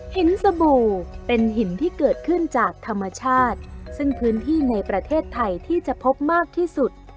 สบู่เป็นหินที่เกิดขึ้นจากธรรมชาติซึ่งพื้นที่ในประเทศไทยที่จะพบมากที่สุด